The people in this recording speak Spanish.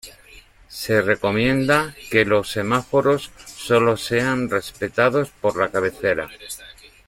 Se recomienda que los semáforos sólo sean respetados por la cabecera.